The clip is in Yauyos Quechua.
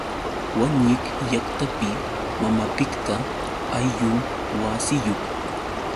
Wañik llaqtapi mamapiqta ayllun wasiyuq.